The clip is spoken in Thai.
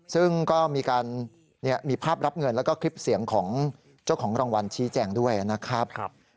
ซึ่งก็มีการมีภาพรับเงินแล้วก็คลิปเสียงของเจ้าของรางวัลชี้แจงด้วยนะครับ